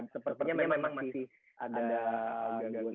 sepertinya memang masih ada gangguan